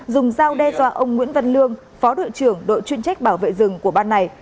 dùng dao đe dọa ông nguyễn văn lương phó đội trưởng đội chuyên trách bảo vệ rừng của ban này